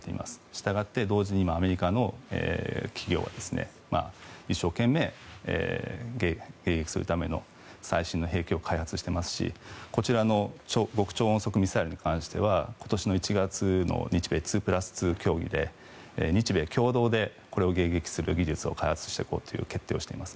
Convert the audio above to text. したがって同時に今、アメリカの企業は一生懸命迎撃するための最新の兵器を開発していますし、こちらの極超音速ミサイルに関しては今年の１月の日米２プラス２協議で日米共同でこれを迎撃する技術を開発していこうという決定をしています。